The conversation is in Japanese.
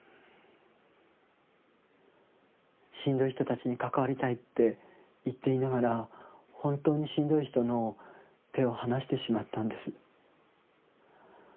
しんどい人たちに関わりたいって言っていながら本当にしんどい人の手を離してしまったんです。